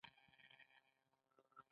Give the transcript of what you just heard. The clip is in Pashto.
انفلاسیون پانګونه ريټرنز راکموي.